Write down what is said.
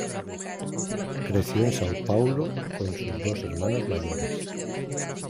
Creció en Sao Paulo con sus dos hermanas mayores.